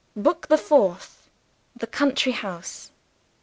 BOOK THE FOURTH THE COUNTRY HOUSE.